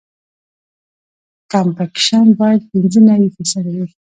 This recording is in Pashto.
کمپکشن باید پینځه نوي فیصده وي